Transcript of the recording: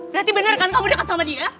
berarti benar kan kamu dekat sama dia